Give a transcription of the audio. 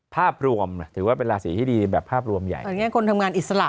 ภาพรวมถือว่าเป็นราศีที่ดีแบบภาพรวมใหญ่เอาแง่คนทำงานอิสระ